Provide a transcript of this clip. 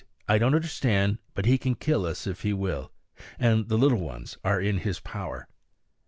I don't understand; but he can kill us if he will and the little ones are in his power."